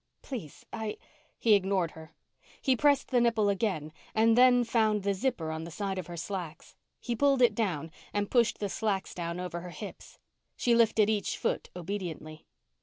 "Please. I " He ignored her. He pressed the nipple again and then found the zipper on the side of her slacks. He pulled it down and pushed the slacks down over her hips. She lifted each foot obediently.